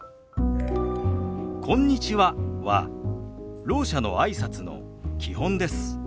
「こんにちは」はろう者のあいさつの基本です。